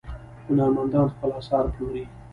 هنرمندان خپل اثار پلوري.